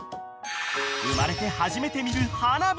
［生まれて初めて見る花火］